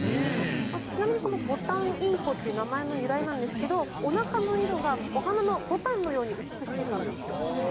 ちなみにボタンインコという名前の由来なんですがおなかの色がお花のボタンのように美しいからだそうです。